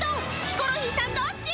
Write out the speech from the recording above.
ヒコロヒーさんどっち？